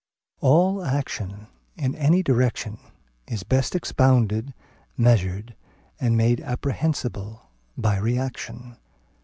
All action in any direction is best expounded, measured, and made apprehensible, by reaction.